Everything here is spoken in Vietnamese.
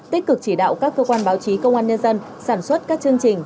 tích cực chỉ đạo các cơ quan báo chí công an nhân dân sản xuất các chương trình